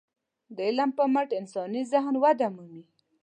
د علم په مټ انساني ذهن وده مومي.